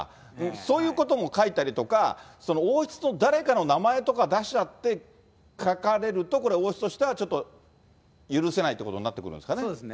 そういうことも書いたりとか、王室の誰かの名前とか出しちゃって、書かれると、これは王室としてはちょっと許せないってことになってくるんですそうですね。